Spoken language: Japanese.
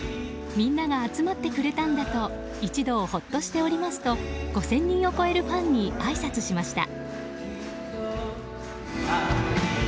みんなが集まってくれたんだと一同、ほっとしておりますと５０００人を超えるファンにあいさつしました。